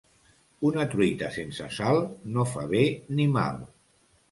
Una truita sense sal no fa bé ni mal.